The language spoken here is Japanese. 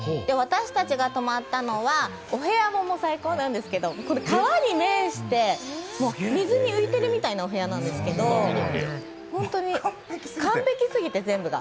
私たちが泊まったのはお部屋も最高なんですけど川に面して水に浮いてるみたいなお部屋なんですけど、本当に全部が完璧すぎて。